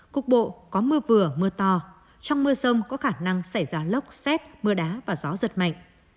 cục bộ có mưa vừa mưa to trong mưa sông có khả năng xảy ra lốc xét mưa đá và gió giật mạnh